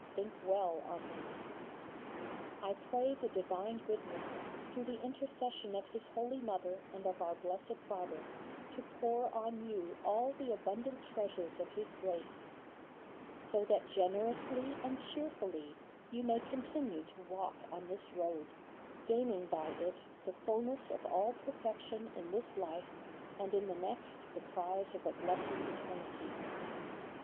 Think well on this. I pray the divine Goodness, through the intercession of His Holy Mother and of our Blessed Father, to pour on you all the abundant treasures of His grace, so that generously and cheerfully you may continue to walk on this road, gaining by it the fullness of all perfection in this life and in the next the prize of a blessed eternity.